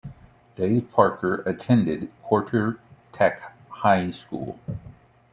Dave Parker attended Courter Tech High School.